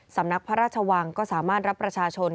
สำนักพระราชวังก็สามารถรับประชาชน